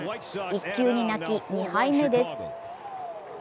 １球に泣き、２敗目です。